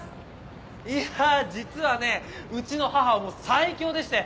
いや実はねうちの母はもう最強でして。